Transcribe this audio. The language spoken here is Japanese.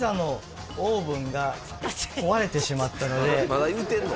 まだ言うてんの？